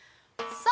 ◆さあ、